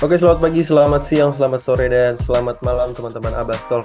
oke selamat pagi selamat siang selamat sore dan selamat malam teman teman abbastol